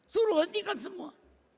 suruh hentikan semua